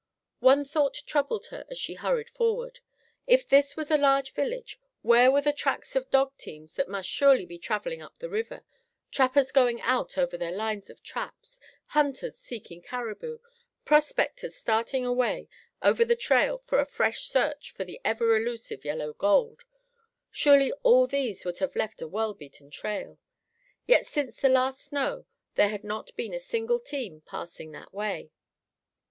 One thought troubled her as she hurried forward. If this was a large village, where were the tracks of dog teams that must surely be travelling up the river; trappers going out over their lines of traps; hunters seeking caribou; prospectors starting away over the trail for a fresh search for the ever illusive yellow gold? Surely all these would have left a well beaten trail. Yet since the last snow there had not been a single team passing that way.